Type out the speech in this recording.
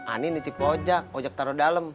ani ini tipe ojak ojak taruh dalem